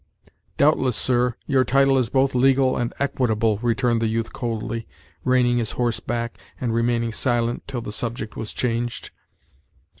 "Doubtless, sir, your title is both legal and equitable," returned the youth coldly, reining his horse back and remaining silent till the subject was changed.